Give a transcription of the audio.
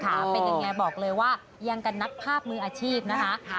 เป็นยังไงบอกเลยว่ายังกันนักภาพมืออาชีพนะคะ